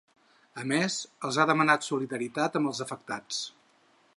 A més, els ha demanat solidaritat amb els afectats.